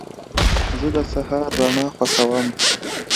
زه د سهار رڼا خوښوم.